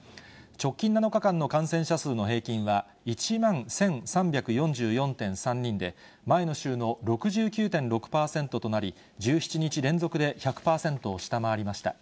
直近７日間の感染者数の平均は、１万１３４４．３人で、前の週の６９．６％となり、１７日連続で１００％を下回りました。